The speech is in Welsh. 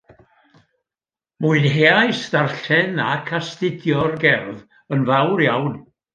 Mwynheais ddarllen ac astudio'r gerdd yn fawr iawn